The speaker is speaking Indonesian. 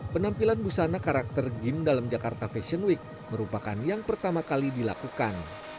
penampilan busana karakter gym dalam jakarta fashion week merupakan yang pertama kali dilakukan